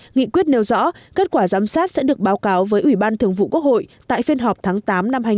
nghị quyết nêu rõ kết quả giám sát sẽ được báo cáo với ủy ban thường vụ quốc hội tại phiên họp tháng tám năm hai nghìn hai mươi